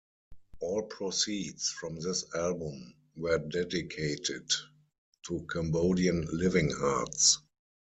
All proceeds from this album were dedicated to Cambodian Living Arts.